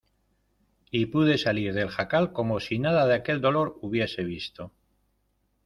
y pude salir del jacal como si nada de aquel dolor hubiese visto.